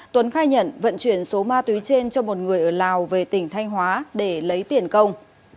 tuấn khai nhận vận chuyển số ma túy trên cho một người ở lào về tỉnh thanh hóa để lấy tiền công